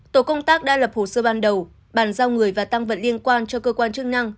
tổ công tác đã lập hồ sơ ban đầu bàn giao người và tăng vật liên quan cho cơ quan chức năng